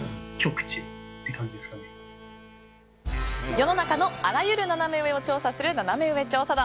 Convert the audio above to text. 世の中のあらゆるナナメ上を調査するナナメ上調査団。